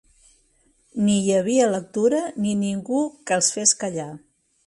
Ni hi havia lectura ni ningú que els fes callar.